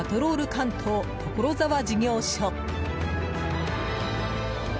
関東所沢事業所。